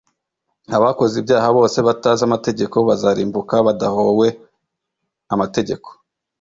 Abakoze ibyaha bose batazi amategeko bazarimbuka badahowe amategeko